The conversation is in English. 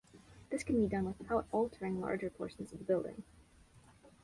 This can be done without altering larger portions of the building.